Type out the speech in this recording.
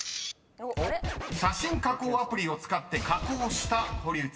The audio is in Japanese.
［写真加工アプリを使って加工した堀内さんの写真です］